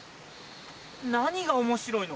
何が面白いの？